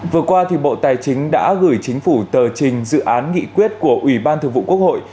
vừa qua bộ tài chính đã gửi chính phủ tờ trình dự án nghị quyết của ủy ban thường vụ quốc hội